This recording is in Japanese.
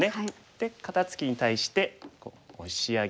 で肩ツキに対してオシ上げました。